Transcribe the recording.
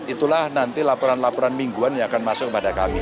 itulah nanti laporan laporan mingguan yang akan masuk kepada kami